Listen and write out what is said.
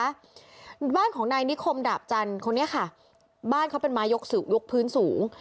บ้านของนายนิคมดาบจันทร์คนนี้ค่ะบ้านเขาเป็นไม้ยกสูงยกพื้นสูง